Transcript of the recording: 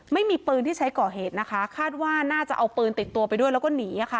ไม่มีปืนที่ใช้ก่อเหตุนะคะคาดว่าน่าจะเอาปืนติดตัวไปด้วยแล้วก็หนีค่ะ